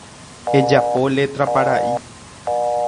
Ejapo letra paraʼi.